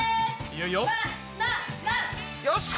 よし！